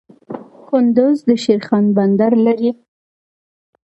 کندز د شیرخان بندر لري